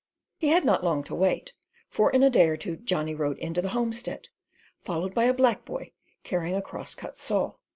He had not long to wait, for in a day or two Johnny rode into the homestead, followed by a black boy carrying a cross cut saw.